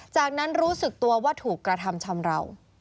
จากนั้นรู้สึกตัวว่าถูกกระทำชำราว